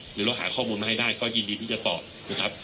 หรือเราหาข้อมูลมาให้ได้ก็ยินดีที่จะตอบนะครับ